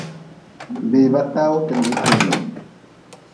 Beba tawu tindgi feelu.